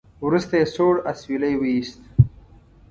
وروسته يې سوړ اسويلی وېست.